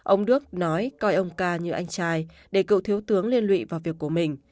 ông đức nói coi ông ca như anh trai để cựu thiếu tướng liên lụy vào việc của mình